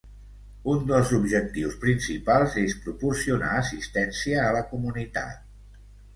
Un dels objectius principals és proporcionar assistència a la comunitat.